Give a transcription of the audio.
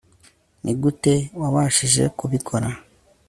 nigute wabashije kubikora